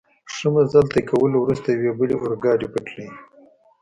ښه مزل طی کولو وروسته، یوې بلې اورګاډي پټلۍ.